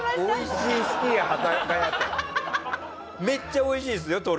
めっちゃ美味しいですよ